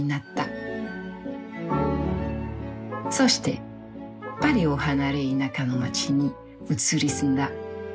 そしてパリを離れ田舎の街に移り住んだ。